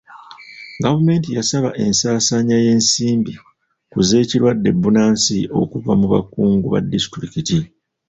Gavumenti yasaba ensaasaanya y'ensimbi ku z'ekirwadde bbunansi okuva mu bakungu ba disitulikiti.